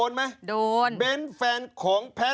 ชีวิตกระมวลวิสิทธิ์สุภาณฑ์